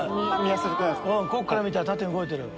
こっから見たら動いてる。